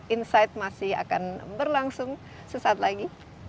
insight masih akan berlangsung sesaat lagi